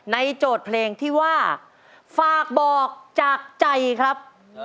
โจทย์เพลงที่ว่าฝากบอกจากใจครับ